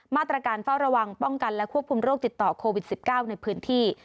มาตรการเฝ้าระวังป้องกันและควบคุมโรคติดต่อโควิด๑๙ในพื้นที่